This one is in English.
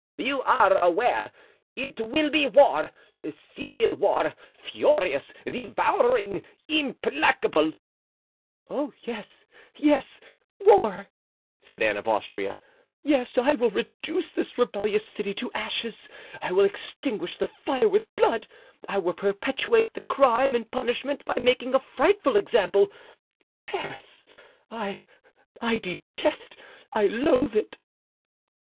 "You are aware it will be war, civil war, furious, devouring, implacable?" "Oh! yes, yes, war," said Anne of Austria. "Yes, I will reduce this rebellious city to ashes. I will extinguish the fire with blood! I will perpetuate the crime and punishment by making a frightful example. Paris!; I—I detest, I loathe it!"